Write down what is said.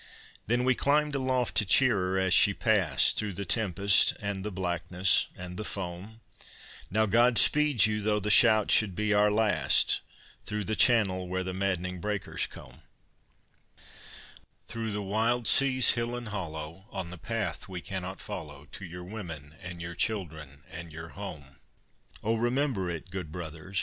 Then we climbed aloft to cheer her as she passed Through the tempest and the blackness and the foam: "Now God speed you, though the shout should be our last, Through the channel where the maddened breakers comb, Through the wild sea's hill and hollow, On the path we cannot follow, To your women and your children and your home." Oh! remember it, good brothers.